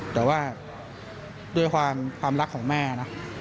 แต่ว่าด้วยความรักของแม่นะ